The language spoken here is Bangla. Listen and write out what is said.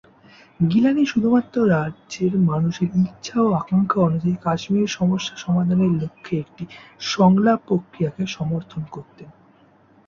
গিলানি শুধুমাত্র রাজ্যের মানুষের ইচ্ছা ও আকাঙ্ক্ষা অনুযায়ী কাশ্মীর সমস্যা সমাধানের লক্ষ্যে একটি সংলাপ প্রক্রিয়াকে সমর্থন করতেন।